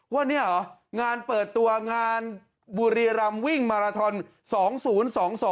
ว่านี่หรองานเปิดตัวงานบุรียรรมวิ่งมาราธรรม๒๐๒๒